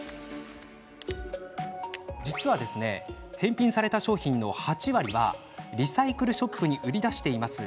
実は、返品された商品の８割はリサイクルショップに売り出しています。